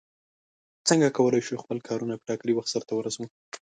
څنگه کولای شو چې خپل کارونه په ټاکلي وخت سرته ورسوو؟